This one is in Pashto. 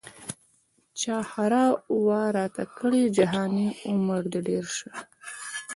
چا ښرا وه راته کړې جهاني عمر دي ډېر سه